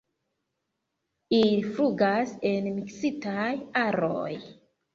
Ili flugas en miksitaj aroj.